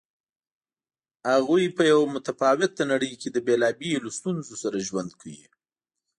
هغوی په یوه متفاوته نړۍ کې له بېلابېلو ستونزو سره ژوند کوي.